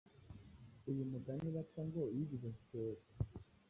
Uyu mugani baca ngo: “Yigize Syoli”